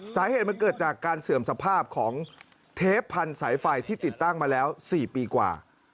สาเหตุมันเกิดจากการเสื่อมสภาพของเทปพันธุ์สายไฟที่ติดตั้งมาแล้ว๔ปีกว่า